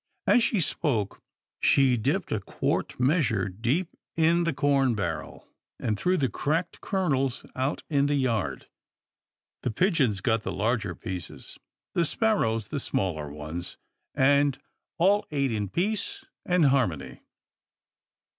As she spoke, she dipped a quart measure deep in the corn barrel, and threw the cracked kernels out in the yard. The pigeons got the larger pieces, the sparrows the smaller ones, and all ate in peace and harmony.